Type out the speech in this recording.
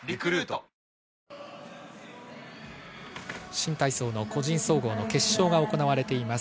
新体操個人総合決勝が行われています。